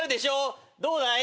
「どうだい？」